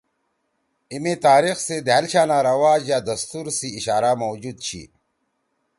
ای می تاریخ سی دھأل شانا رواج یا دستور سی اشارہ موجود چھی۔